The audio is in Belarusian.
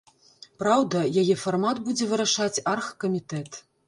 Праўда, яе фармат будзе вырашаць аргкамітэт.